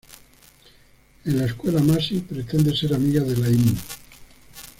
En la escuela Massie pretende ser amiga de Layne.